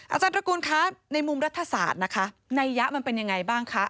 อาจารย์ตระกูลคะในมุมรัฐศาสตร์นะคะนัยยะมันเป็นยังไงบ้างคะ